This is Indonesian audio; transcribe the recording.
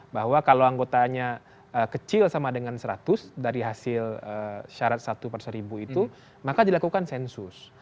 bahwa kalau anggotanya kecil sama dengan seratus dari hasil syarat satu per seribu itu maka dilakukan sensus